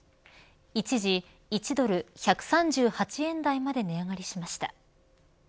一時１ドル１３８円台まで値上がりしました